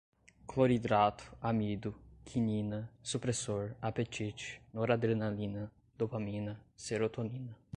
cloridrato, amido, quinina, supressor, apetite, noradrenalina, dopamina, serotonina